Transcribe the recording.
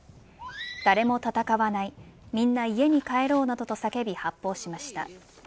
誰も戦わない、みんな家に帰ろうなどと叫び発砲しました。